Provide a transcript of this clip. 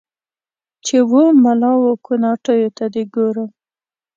چې و مـــلا و کوناټیــــو ته دې ګورم